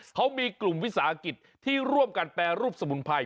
เขามีกลุ่มวิสาหกิจที่ร่วมกันแปรรูปสมุนไพร